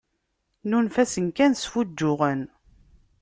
Nunef-asen kan sfuǧǧuɣen.